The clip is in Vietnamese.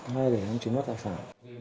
hai là để em chiếm đoạt tài sản